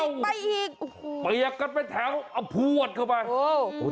แบบนี้จะตรงตรงก้อสังกว่ำไปแบบนี้จะตรงก้อสังครอง